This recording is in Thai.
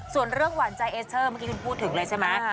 ส่วนเรื่องหวานใจเอสเตอร์เมื่อกี้คุณพูดถึงเลยใช่ไหม